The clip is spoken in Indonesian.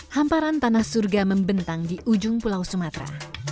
hamparan tanah surga membentang di ujung pulau sumatera